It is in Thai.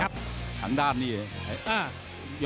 ทางด้านนี้เลย